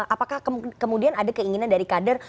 apakah kemudian ada keinginan dari kader